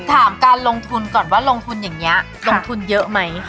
ถามกันลงทุนก่อนว่าลงทุนอย่างเงี้ยลงทนเยอะมั้ย